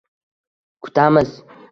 Kutamiz